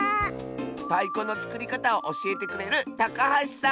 たいこのつくりかたをおしえてくれるたかはしさん！